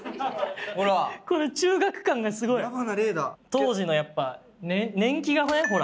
当時のやっぱ年季がねほら